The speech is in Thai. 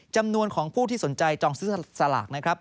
จำนวนของผู้ที่สนใจจองซื้อสลากนะครับ